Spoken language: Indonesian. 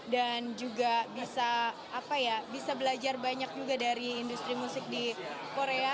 dan juga bisa belajar banyak juga dari industri musik di korea